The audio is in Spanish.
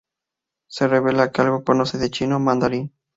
Se revela que algo conoce de chino mandarín.